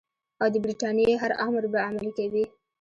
او د برټانیې هر امر به عملي کوي.